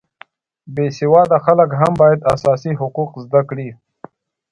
بې سواده خلک هم باید اساسي حقوق زده کړي